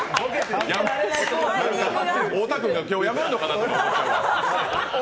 太田君が今日、辞めるのかなと思った。